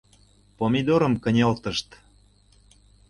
Помидорым кынелтышт